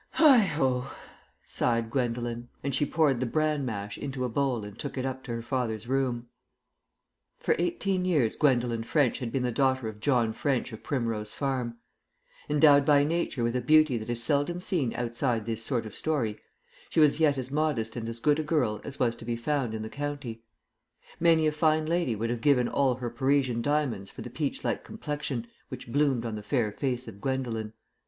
"Heigh ho!" sighed Gwendolen, and she poured the bran mash into a bowl and took it up to her father's room. For eighteen years Gwendolen French had been the daughter of John French of Primrose Farm. Endowed by Nature with a beauty that is seldom seen outside this sort of story, she was yet as modest and as good a girl as was to be found in the county. Many a fine lady would have given all her Parisian diamonds for the peach like complexion which bloomed on the fair face of Gwendolen.